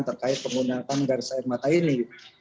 terkait penggunaan garis air mata ini